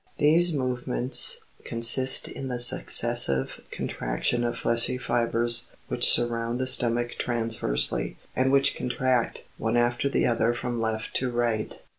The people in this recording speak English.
These movements consist in the successive con traction of fleshy fibres which surround the stomach transversely, and which contract, one after the other from left to right.